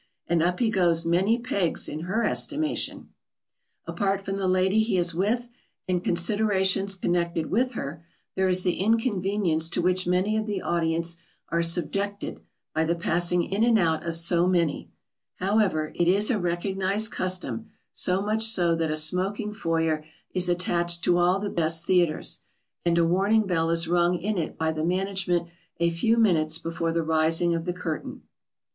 and up he goes many pegs in her estimation. [Sidenote: Other considerations.] Apart from the lady he is with and considerations connected with her, there is the inconvenience to which many of the audience are subjected by the passing in and out of so many. However, it is a recognised custom, so much so that a smoking foyer is attached to all the best theatres, and a warning bell is rung in it by the management a few minutes before the rising of the curtain. [Sidenote: When refreshments are brought around.